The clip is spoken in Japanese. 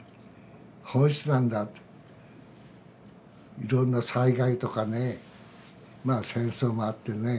いろんな災害とかねまあ戦争もあってね